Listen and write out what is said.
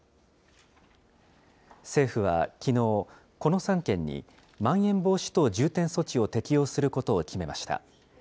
政府はきのう、この３県に、まん延防止等重点措置を適用することを決めました。